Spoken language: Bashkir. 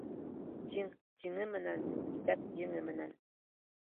Тиң тиңе менән, итәк еңе менән.